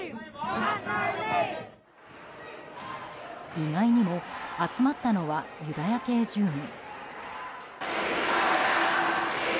意外にも集まったのはユダヤ系住民。